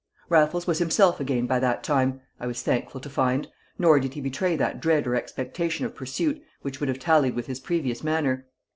Raffles was himself again by that time, I was thankful to find, nor did he betray that dread or expectation of pursuit which would have tallied with his previous manner.